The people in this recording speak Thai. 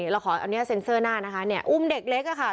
เราขออันนี้เซ็นเซอร์หน้านะคะเนี่ยอุ้มเด็กเล็กอะค่ะ